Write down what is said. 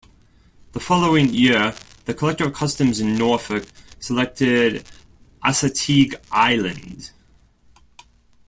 The following year, the Collector of Customs in Norfolk selected Assateague Island.